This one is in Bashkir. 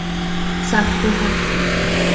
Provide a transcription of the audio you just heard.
Саф булһаң